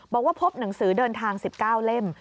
บอกว่าพบหนังสือเดินทาง๑๙เล่ม